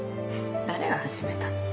誰が始めたの？